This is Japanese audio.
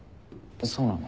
そうなの？